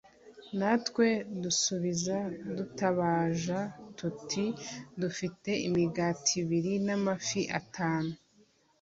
Natwe dusubiza databuja tuti dufite imigati ibiri n’amafi atanu